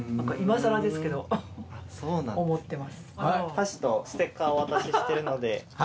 箸とステッカーをお渡ししてるので。